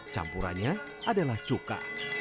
campurannya adalah cuka